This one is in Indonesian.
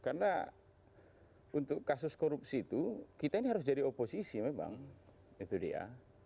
karena untuk kasus korupsi itu kita ini harus jadi oposisi memang itu dia